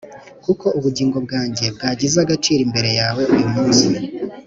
kuko ubugingo bwanjye bwagize agaciro imbere yawe uyu munsi.